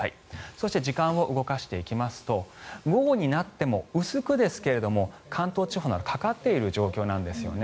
そして時間を動かしていきますと午後になっても薄くですが関東地方などにかかっている状況なんですよね。